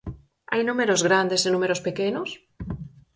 Hai números grandes e números pequenos?